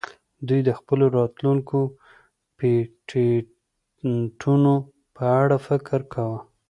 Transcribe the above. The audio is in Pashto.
دوی د خپلو راتلونکو پیټینټونو په اړه فکر کاوه